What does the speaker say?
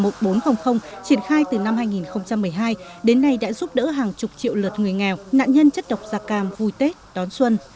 triển khai từ năm hai nghìn một mươi hai đến nay đã giúp đỡ hàng chục triệu lượt người nghèo nạn nhân chất độc da cam vui tết đón xuân